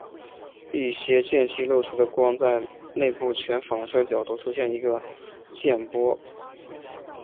一些间隙漏出的光在内部全反射角度出现一个渐逝波。